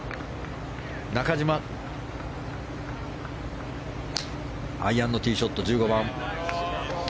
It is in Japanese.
中島、アイアンのティーショット、１５番。